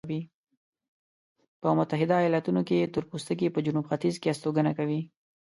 په متحده ایلاتونو کې تورپوستکي په جنوب ختیځ کې استوګنه کوي.